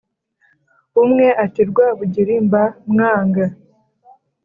Umwe, ati: Rwabugiri mba mwanga!